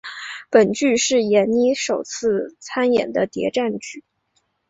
本剧是闫妮首次参演的谍战剧。